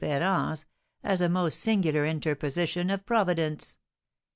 Ferrand's as a most singular interposition of Providence.